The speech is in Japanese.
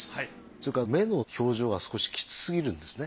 それから目の表情が少しきつすぎるんですね。